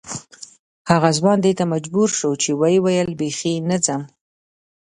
هغه ځوان دې ته مجبور شو چې ویې ویل بې خي نه ځم.